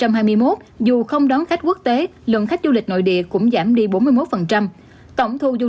năm hai nghìn hai mươi một dù không đón khách quốc tế lượng khách du lịch nội địa cũng giảm đi bốn mươi một tổng thu du